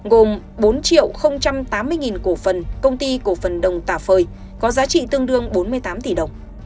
gồm bốn tám mươi cổ phần công ty cổ phần đồng tà phơi có giá trị tương đương bốn mươi tám tỷ đồng